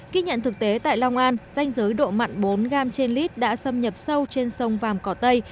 ký nhận thực tế tại long an danh giới độ mặn bốn gram trên lít đã xâm nhập sâu trên sông vàm cỏ tây